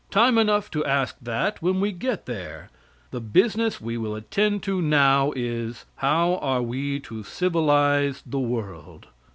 Time enough to ask that when we get there. The business we will attend to now is, how are, we to civilize the world?